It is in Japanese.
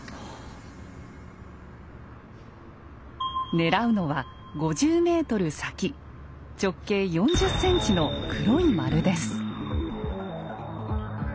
狙うのは５０ｍ先直径４０ｃｍの黒い丸です。